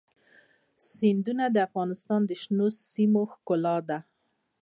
سیندونه د افغانستان د شنو سیمو ښکلا ده.